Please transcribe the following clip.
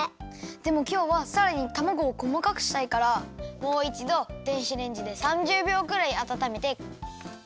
でもきょうはさらにたまごをこまかくしたいからもういちど電子レンジで３０びょうくらいあたためて。